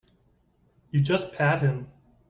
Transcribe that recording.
You just pat him.